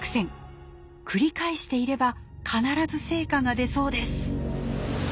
繰り返していれば必ず成果が出そうです。